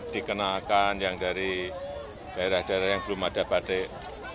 dikenalkan yang dari daerah daerah yang belum ada batik